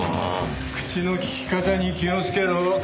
口の利き方に気をつけろ冠城。